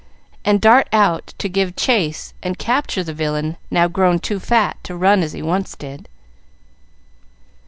and dart out to give chase and capture the villain now grown too fat to run as he once did.